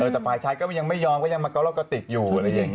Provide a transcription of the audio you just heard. แต่ฝ่ายชายก็ยังไม่ยอมก็ยังมาก้อเลิกก็ติดอยู่